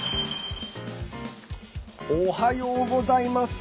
おはようございます。